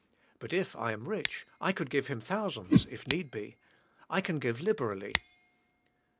But if I am rich I could give him thousands, if need be. I can give liberally.